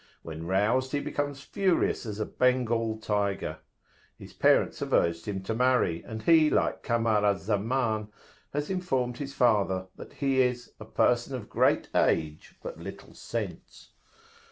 When roused he becomes furious as a Bengal tiger. His parents have urged him to marry, and he, like Kamar al Zaman, has informed his father that he is "a person of great age, but little sense."